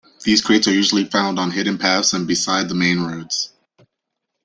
These crates are usually found on hidden paths and beside the main roads.